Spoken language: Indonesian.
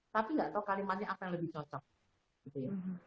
tapi nggak tahu kalimatnya apa yang lebih cocok gitu ya